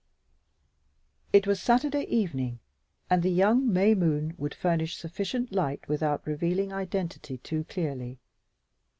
It was Saturday evening, and the young May moon would furnish sufficient light without revealing identity too clearly.